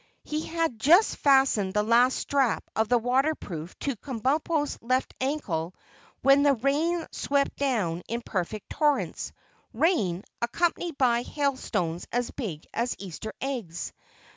He had just fastened the last strap of the waterproof to Kabumpo's left ankle when the rain swept down in perfect torrents; rain, accompanied by hailstones as big as Easter eggs.